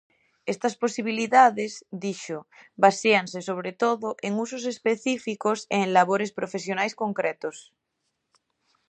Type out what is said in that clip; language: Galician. Estas posibilidades, dixo, baséanse sobre todo en usos específicos e en labores profesionais concretos.